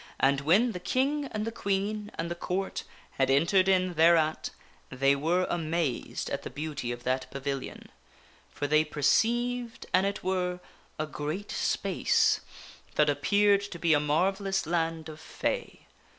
And when the King and the Queen and the Court had entered in thereat they were amazed at the beauty of that pavilion, for they perceived, an it Of the pa were, a great space that appeared to be a marvellous land of of the Fay.